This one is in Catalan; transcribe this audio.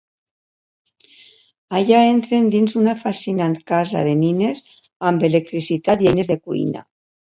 Allà entren dins una fascinant casa de nines amb electricitat i eines de cuina.